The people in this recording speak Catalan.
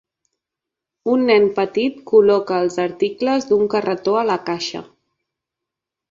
Un nen petit col·loca els articles d'un carretó a la caixa.